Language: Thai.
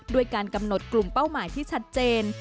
ด้วยการกำหนดกลุ่มเป้าหมายที่ชัดเจน